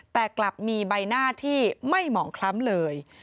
แต่กลับมีใบหน้าที่ไม่หมองคล้ำเลย